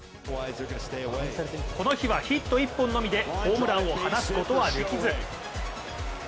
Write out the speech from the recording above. この日はヒット１本のみでホームランを放つことはできず。